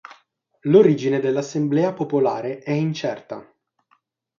L'origine dell'assemblea popolare è incerta.